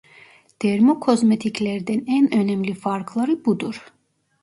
Dermokozmetiklerden en önemli farkları budur.